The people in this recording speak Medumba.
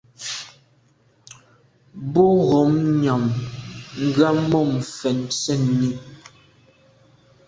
Bo ghom nyàm gham mum fèn sènni.